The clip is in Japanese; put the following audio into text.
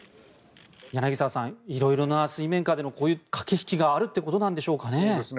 柳澤さん、色々な水面下でのこういう駆け引きがあるということでしょうかね。